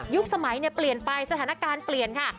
สมัยเปลี่ยนไปสถานการณ์เปลี่ยนค่ะ